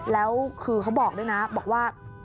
แล้วคือเขาบอกด้วยนะบอกว่า